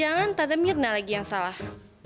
jangan jangan tanda mirna lagi yang salah